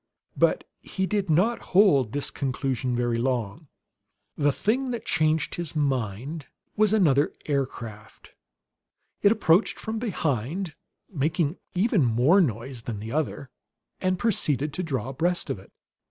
But he did not hold to this conclusion very long. The thing that changed his mind was another aircraft. It approached from behind, making even more noise than the other, and proceeded to draw abreast of it.